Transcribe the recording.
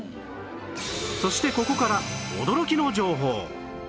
そしてここから驚きの情報